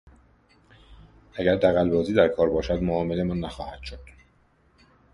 اگر دغلبازی در کار باشد معاملهمان نخواهد شد.